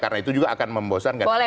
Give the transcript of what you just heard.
karena itu juga akan membosankan boleh boleh